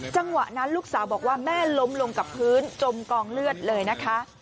จังหวะนั้นลูกสาวบอกว่าแม่ล้มลงกับพื้นจมกองเลือดเลยนะคะ